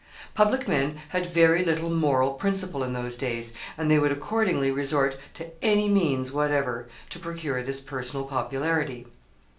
Public men had very little moral principle in those days, and they would accordingly resort to any means whatever to procure this personal popularity.